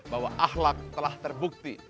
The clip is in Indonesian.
bahwa ahlak telah terbukti